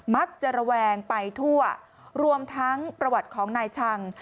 ระแวงไปทั่วรวมทั้งประวัติของนายชัง